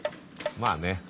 まあね